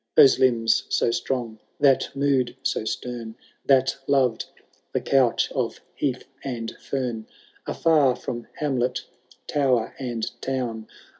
Those limbs so strong, that mood so stem. That loved the couch of heath and fern. Afar from hamlet, toWer and town.